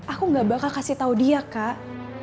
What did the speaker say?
aku gak bakal kasih tau dia kak